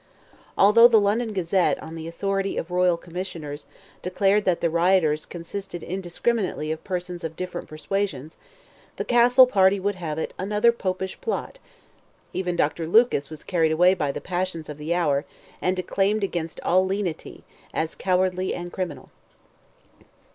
Although the London Gazette, on the authority of royal commissioners, declared that the rioters "consisted indiscriminately of persons of different persuasions," the Castle party would have it "another Popish plot." Even Dr. Lucas was carried away by the passions of the hour, and declaimed against all lenity, as cowardly and criminal.